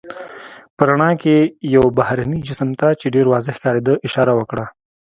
په رڼا کې یې یو بهرني جسم ته، چې ډېر واضح ښکارېده اشاره وکړه.